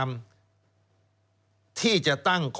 พยายาม